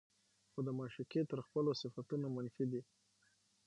خو د معشوقې تر خپلو صفتونو منفي دي